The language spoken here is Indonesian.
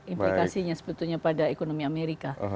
implikasinya sebetulnya pada ekonomi amerika